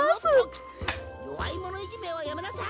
「よわいものいじめはやめなさい！」